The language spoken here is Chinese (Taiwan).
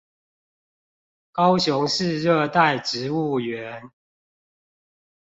高雄市熱帶植物園